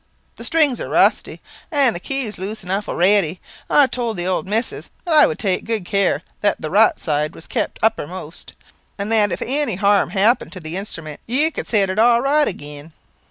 The strings are rusty, and keys loose enough already. I told the old missus that I would take good care that the right side was kept uppermost; and that if any harm happened to the instrument, you could set it all right agin."